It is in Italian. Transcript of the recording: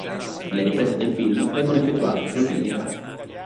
Le riprese del film vengono effettuate per lo più in Irlanda.